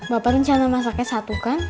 bapak rencana masaknya satu kan